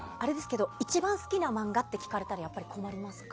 一番好きな漫画って聞かれたら困りますか？